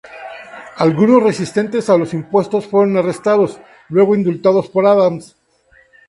Algunos resistentes a los impuestos fueron arrestados, luego indultados por Adams.